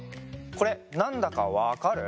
これなんだかわかる？